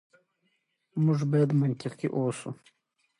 موږ بايد منطقي اوسو.